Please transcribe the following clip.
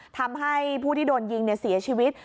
ทำให้ผู้ที่โดนยิงเสียชีวิต